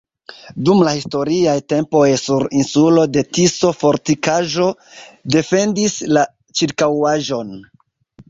Dum la historiaj tempoj sur insulo de Tiso fortikaĵo defendis la ĉirkaŭaĵon.